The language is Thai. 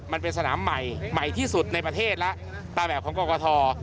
มันเป็นสนามใหม่ใหม่ที่สุดในประเทศแล้วตามแบบของกรกฐ